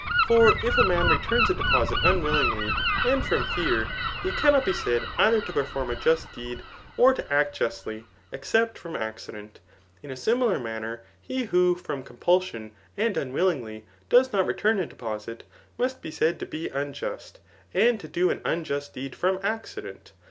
For if a man returns a deposit unwillingly, and from fear, he cannot be said either to perform a just deed, or to act justly ; except from accident. In a similar manner he who, from compulsion and unwillingly, does not return a deposit, must be ssud to be unjust, and to do an unjust deed from accident.